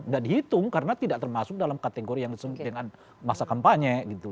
nggak dihitung karena tidak termasuk dalam kategori yang disebut dengan masa kampanye gitu